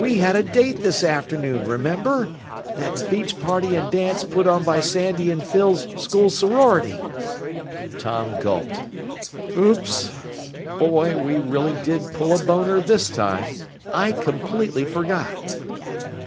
"We had a date this afternoon, remember? That beach party and dance put on by Sandy and Phyl's school sorority!" Tom gulped. "Oops! Boy, we really did pull a boner this time! I completely forgot!"